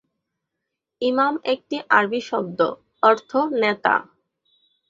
ইমাম একটি আরবি শব্দ অর্থ "নেতা"।